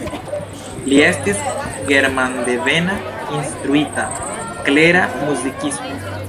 Li estis germandevena instruita, klera muzikisto.